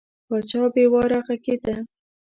پاچا بې واره غږېده.